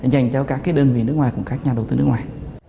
dành cho các cái đơn vị nước ngoài cũng các nhà đầu tư nước ngoài